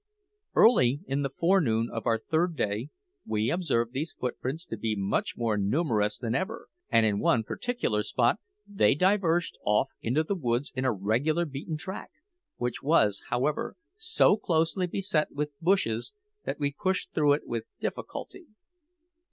Early in the forenoon of our third day we observed these footprints to be much more numerous than ever, and in one particular spot they diverged off into the woods in a regular beaten track, which was, however, so closely beset with bushes that we pushed through it with difficulty.